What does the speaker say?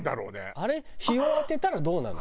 あれ日を当てたらどうなるの？